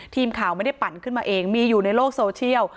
ทีมข่าวไม่ได้ปั่นขึ้นมาเองมีอยู่ในโลกโซเชียล